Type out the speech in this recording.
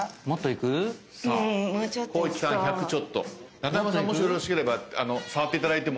中山さんもしよろしければ触っていただいても。